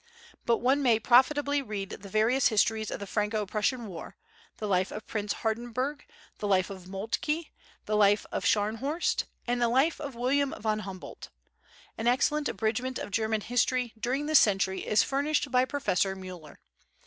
But one may profitably read the various histories of the Franco Prussian war, the Life of Prince Hardenberg, the Life of Moltke, the Life of Scharnhorst, and the Life of William von Humboldt. An excellent abridgment of German History, during this century, is furnished by Professor Müller.